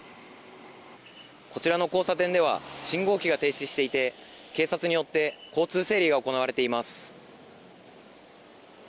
こちらの交差点では信号機が停止していて警察によって交通整理が行われています。